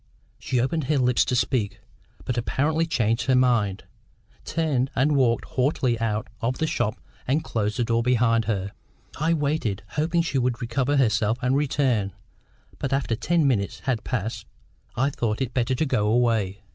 She opened her lips to speak, but apparently changing her mind, turned and walked haughtily out of the shop and closed the door behind her. I waited, hoping she would recover herself and return; but, after ten minutes had passed, I thought it better to go away.